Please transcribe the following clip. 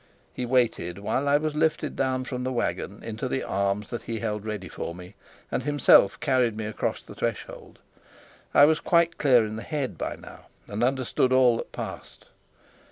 He waited while I was lifted down from the wagon into the arms that he held ready for me, and himself carried me across the threshold. I was quite clear in the head by now and understood all that passed.